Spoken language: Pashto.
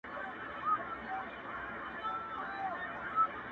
چي يوه به لاپي كړې بل به خندله،